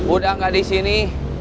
udah gak disini